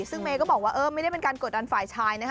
ซึ่งเมย์ก็บอกว่าเออไม่ได้เป็นการกดดันฝ่ายชายนะคะ